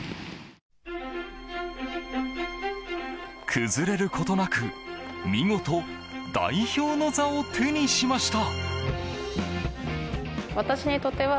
崩れることなく見事、代表の座を手にしました。